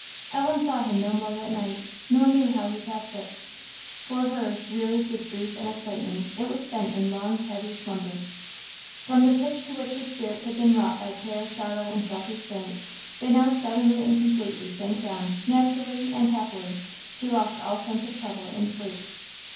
Ellen saw him no more that night, nor knew how he passed it. For her, wearied with grief and excitement, it was spent in long, heavy slumber. From the pitch to which her spirits had been wrought by care, sorrow, and self restraint, they now suddenly and completely sank down; naturally, and happily, she lost all sense of trouble in sleep.